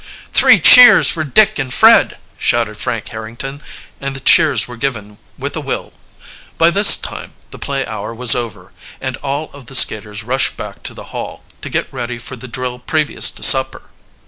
"Three cheers for Dick and Fred!" shouted Frank Harrington, and the cheers were given with a will. By this time the play hour was over, and all of the skaters rushed back to the Hall, to get ready for the drill previous to supper.